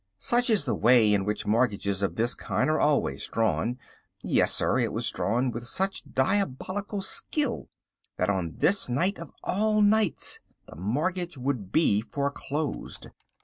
Such is the way in which mortgages of this kind are always drawn. Yes, sir, it was drawn with such diabolical skill that on this night of all nights the mortgage would be foreclosed.